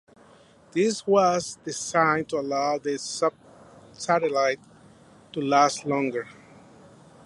This was designed to allow the subsatellite to last longer.